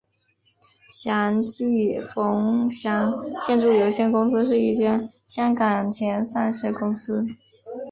祥记冯祥建筑有限公司是一间香港前上市公司。